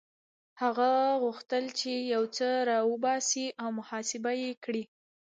هغه غوښتل چې يو څه را وباسي او محاسبه يې کړي.